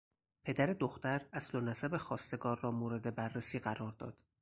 پدر دختر اصل و نسب خواستگار را مورد بررسی قرار داد.